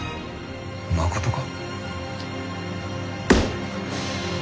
まことか？